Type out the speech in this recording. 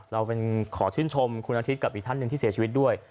เราขอชื่นชมคุณอาทิตย์กับอีกท่านหนึ่งที่เสียชีวิตด้วย